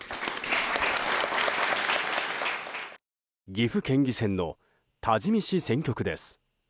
岐阜県議選の多治見市選挙区です。